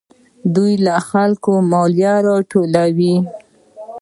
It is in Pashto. دوی له خلکو مالیه راټولوي.